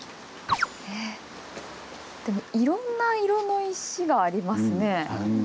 でもいろんな色の石がありますね。